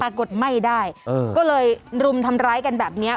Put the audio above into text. กดไม่ได้ก็เลยรุมทำร้ายกันแบบนี้